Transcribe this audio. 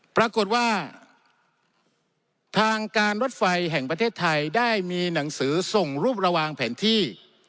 ปรากฏว่าทางการรถไฟแห่งประเทศไทยได้มีหนังสือส่งรูประวางแผนที่